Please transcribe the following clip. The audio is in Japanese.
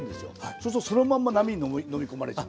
そうするとそのまんま波に飲み込まれちゃう。